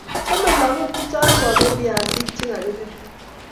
Chomei lagok chechang koamei viasik chekakibel